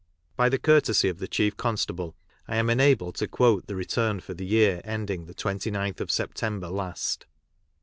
By the courtesy of the Chief Constable I am enabled to quote the return for the year ending the 29th of September last.